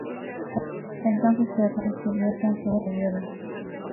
Entonces se remueve y se vierte sobre hielo.